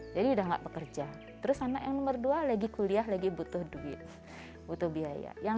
jadi udah nggak bekerja terus anak yang nomor dua lagi kuliah lagi butuh duit butuh biaya yang